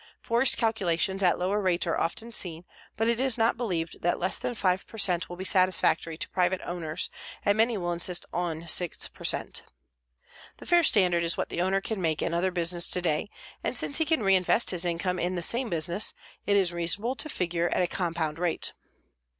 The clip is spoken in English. Forest calculations at lower rates are often seen, but it is not believed that less than 5 per cent will be satisfactory to private owners and many will insist on 6 per cent. The fair standard is what the owner can make in other business today, and since he can reinvest his income in the same business, it is reasonable to figure at a compound rate.